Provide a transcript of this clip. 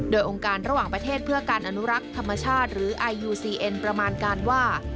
โดยองค์การระหว่างประเทศเพื่อการอนุรักษ์ธรรมชาติประมาณการว่า